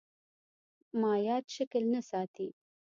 مایعات شکل نه ساتي.